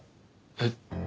えっ？